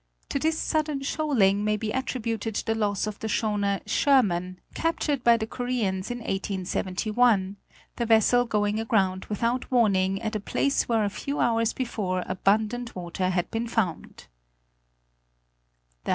To this sudden shoaling may be attributed the loss of the schooner Sher man, captured by the Koreans in 1871, the vessel going aground without warning at a place where a few hours before abundant water had been found.